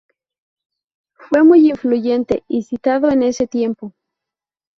Fue muy influyente y citado en ese tiempo.